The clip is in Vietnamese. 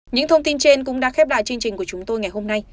những thông tin trên cũng đã khép lại chương trình của chúng tôi ngày hôm nay